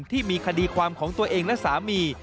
ที่มีคดีความของตัวเองและสามี